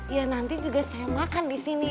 ya nanti juga saya makan di sini